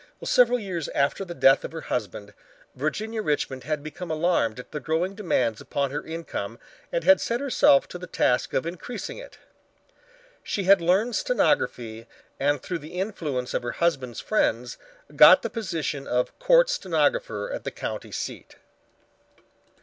Several years after the death of her husband, Virginia Richmond had become alarmed at the growing demands upon her income and had set herself to the task of increasing it. She had learned stenography and through the influence of her husband's friends got the position of court stenographer at the county seat.